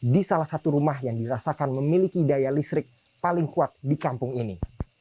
di salah satu rumah yang dirasakan memiliki daya listrik paling kuat di kampung ini